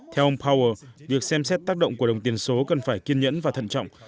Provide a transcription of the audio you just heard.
theo ông power việc xem xét tác động của đồng tiền số cần phải kiên nhẫn và thận trọng